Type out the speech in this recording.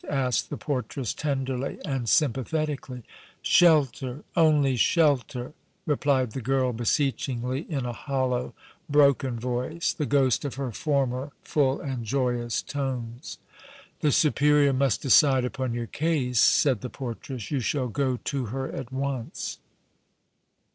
asked the portress, tenderly and sympathetically. "Shelter, only shelter!" replied the girl, beseechingly, in a hollow, broken voice, the ghost of her former full and joyous tones. "The Superior must decide upon your case," said the portress. "You shall go to her at once."